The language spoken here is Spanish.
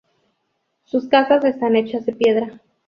Sus casas están hechas de piedra.